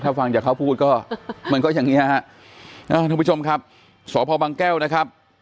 ถ้าฟังจากเขาพูดก็มันก็อย่างเงี้ยฮะอ่าท่านผู้ชมครับสพบังแก้วนะครับ